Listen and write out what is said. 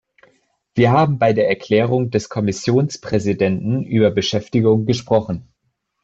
Wir haben bei der Erklärung des Kommissionspräsidenten über Beschäftigung gesprochen.